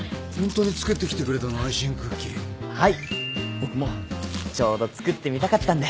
僕もちょうど作ってみたかったんで。